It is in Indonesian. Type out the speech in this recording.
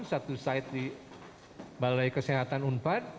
satu site di balai kesehatan unpad